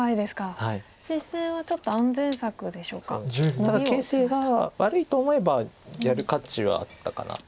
ただ形勢が悪いと思えばやる価値はあったかなと。